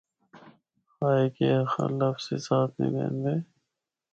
ہائے کے آخاں، لفظ ہی نے ساتھ دیندے۔